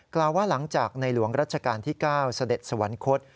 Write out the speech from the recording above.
กล่าวว่าหลังจากในหลวงรัชกาลที่๙เสด็จสวรรคต